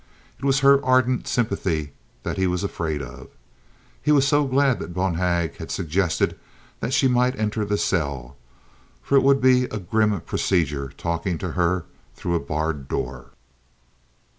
It was her ardent sympathy that he was afraid of. He was so glad that Bonhag had suggested that she might enter the cell, for it would be a grim procedure talking to her through a barred door.